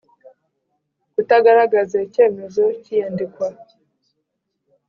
Kutagaragaza icyemezo cy iyandikwa